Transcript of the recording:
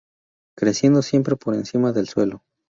Creciendo, siempre por encima del suelo.